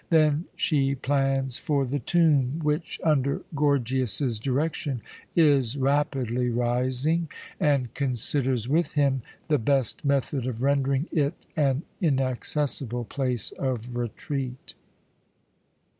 Then she plans for the tomb which, under Gorgias's direction, is rapidly rising, and considers with him the best method of rendering it an inaccessible place of retreat.